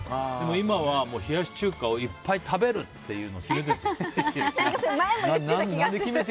今は冷やし中華をいっぱい食べるっていうのを前も言ってた気がする。